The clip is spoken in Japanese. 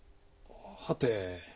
はて？